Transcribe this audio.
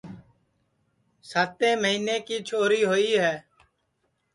ساتیں مہینے کی چھوری ہوئی ہے